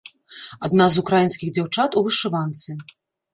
Адна з украінскіх дзяўчат у вышыванцы.